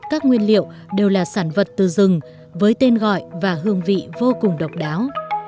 các nguyên liệu đều là sản vật từ rừng với tên gọi và hương vị vô cùng độc đáo